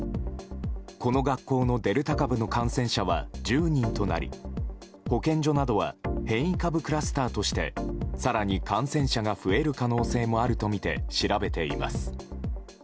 この学校のデルタ株の感染者は１０人となり保健所などは変異株クラスターとして更に感染者が増える可能性もあるとみて調べています。